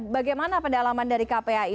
bagaimana pendalaman dari kpai